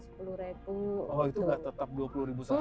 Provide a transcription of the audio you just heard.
oh itu enggak tetap dua puluh seharga